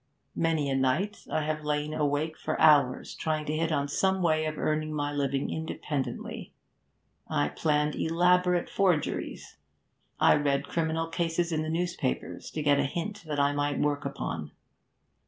Many a night I have lain awake for hours, trying to hit on some way of earning my living independently. I planned elaborate forgeries. I read criminal cases in the newspapers to get a hint that I might work upon.